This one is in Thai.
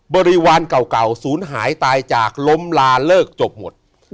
บริวารเก่าศูนย์หายตายจากล้มลาเลิกจบหมด